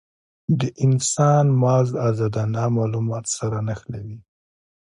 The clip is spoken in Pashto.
د انسان مغز ازادانه مالومات سره نښلوي.